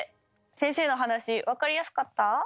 先生の話分かりやすかった？